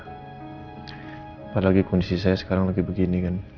apalagi kondisi saya sekarang lagi begini kan